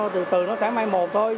từ từ nó sẽ vải mộc thôi